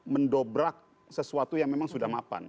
mendobrak sesuatu yang memang sudah mapan